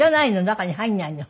中に入らないの？